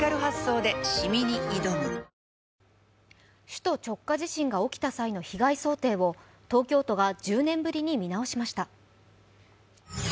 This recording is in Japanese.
首都直下地震が起きた際の被害想定を東京都が１０年ぶりに見直しました。